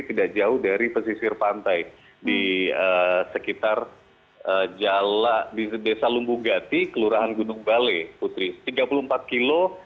tidak jauh dari pesisir pantai di sekitar jala di desa lumbunggati kelurahan gunung balai putri